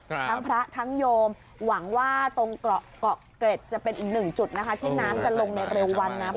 ทั้งพระทั้งโยมหวังว่าตรงเกาะเกาะเกร็ดจะเป็นอีกหนึ่งจุดนะคะที่น้ำจะลงในเร็ววันนะ